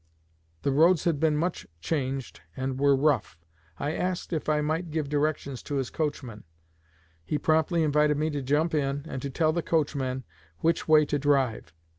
The roads had been much changed and were rough. I asked if I might give directions to his coachman; he promptly invited me to jump in, and to tell the coachman which way to drive.